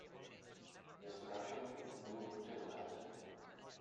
This production moved to the West End.